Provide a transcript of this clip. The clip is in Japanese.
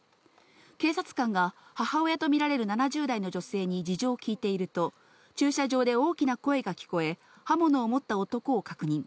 警察官が母親と見られる７０代の女性に事情を聞いていると、駐車場で大きな声が聞こえ、刃物を持った男を確認。